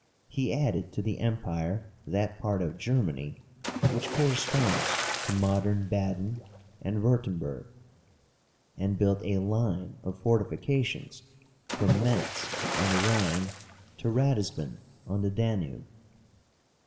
He added to the Empire that part of Germany which corresponds to modern Baden and Wirtemberg, and built a line of fortifications from Mentz on the Rhine to Ratisbon on the Danube.